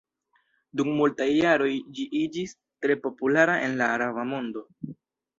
Dum multaj jaroj ĝi iĝis tre populara en la araba mondo.